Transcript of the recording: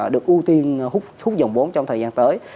được ưu tiên hút thuốc dòng vốn trong thời gian tới